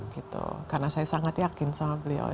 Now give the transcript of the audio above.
karena saya sangat yakin sama beliau